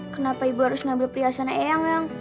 kenapa ibu harus ngambil perhiasan eyang